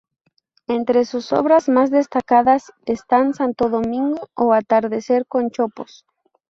Entre sus obras más destacadas están "Santo Domingo" o "Atardecer con chopos".